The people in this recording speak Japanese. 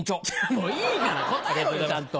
もういいから答えろよちゃんと。